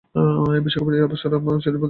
বিশ্বকাপের এই আসরের শিরোপাধারী দল হচ্ছে স্পেন।